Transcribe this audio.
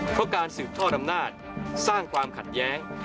เพราะการสืบทอดอำนาจสร้างความขัดแย้ง